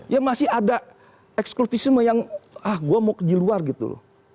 ya masih ada eksklusifisme yang ah gue mau ke jiluar gitu loh